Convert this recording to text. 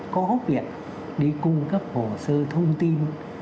có việc đi cung cấp hồ sơ thông tin